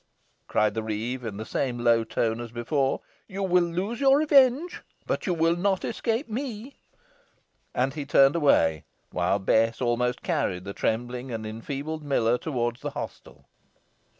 cried the reeve, in the same low tone as before; "you will lose your revenge, but you will not escape me." And he turned away, while Bess almost carried the trembling and enfeebled miller towards the hostel.